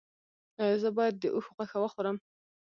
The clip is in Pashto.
ایا زه باید د اوښ غوښه وخورم؟